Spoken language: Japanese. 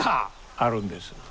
あるんです。